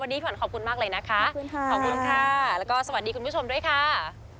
โปรดติดตามตอนต่อไป